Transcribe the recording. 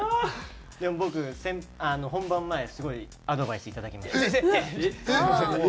でも僕本番前すごいアドバイスいただきました。